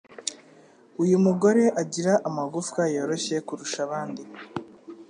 Uyu mugore agira amagufwa yoroshye kurusha abandi